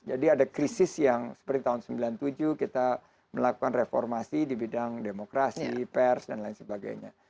jadi ada krisis yang seperti tahun sembilan puluh tujuh kita melakukan reformasi di bidang demokrasi pers dan lain sebagainya